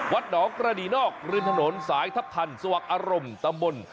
วัดหนองกระดีนอกริมถนนสายทัพทันสวักอารมณ์ตำบล